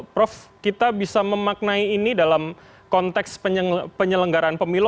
prof kita bisa memaknai ini dalam konteks penyelenggaraan pemilu